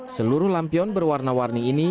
seluruh lampion berwarna warni ini